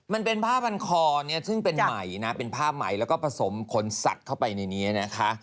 มันเป็นผ้าพันคอเนี่ยซึ่งเป็นใหม่นะเป็นผ้าไหมแล้วก็ผสมขนสัตว์เข้าไปในนี้นะคะ